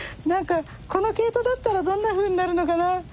何かこの毛糸だったらどんなふうになるのかな